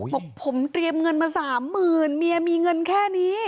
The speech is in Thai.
บอกผมเตรียมเงินมา๓๐๐๐เมียมีเงินแค่นี้